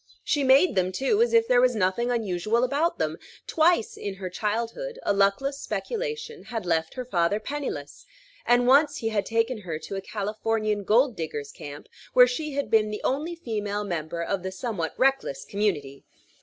She made them, too, as if there was nothing unusual about them. Twice, in her childhood, a luckless speculation had left her father penniless; and once he had taken her to a Californian gold diggers' camp, where she had been the only female member of the somewhat reckless community.